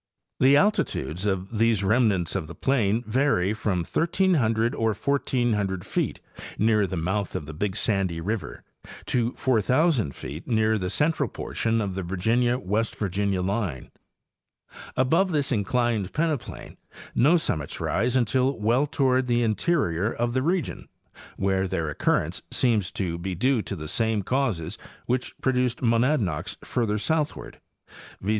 The alti tudes of these remnants of the plain vary from 1,300 or 1,400 feet near the mouth of the Big Sandy river to 4,000 feet near the central portion of the Virginia West Virginia line. Above this inclined peneplain no summits rise until well toward the interior of the region, where their occurrence seems to be due to the same causes which produced monadnocks further southward, viz.